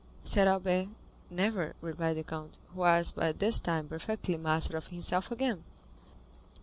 said Albert. "Never," replied the count, who was by this time perfectly master of himself again.